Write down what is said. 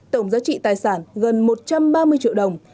tổng giá trị tài sản gần một trăm ba mươi triệu đồng